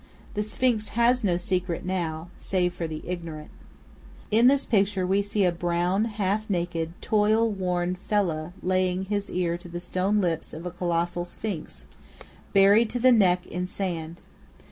The Sphinx has no secret now, save for the ignorant. In this picture, we see a brown, half naked, toil worn Fellâh laying his ear to the stone lips of a colossal Sphinx, buried to the neck in sand.